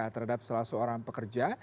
terhadap salah seorang pekerja